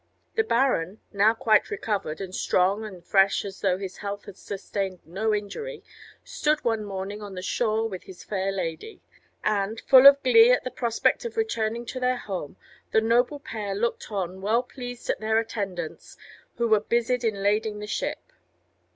The baron, now quite recovered, and strong and fresh as though his health had sustained no injury, stood one morning on the shore with his fair lady; and, full of glee at the prospect of returning to their home, the noble pair looked on well pleased at their attendants who were busied in lading the ship.